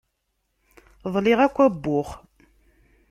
Ḍliɣ akk abux.